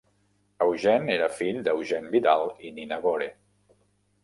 Eugene era fill d'Eugene Vidal i Nina Gore.